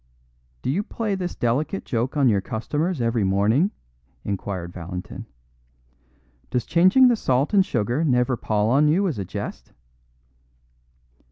"Do you play this delicate joke on your customers every morning?" inquired Valentin. "Does changing the salt and sugar never pall on you as a jest?"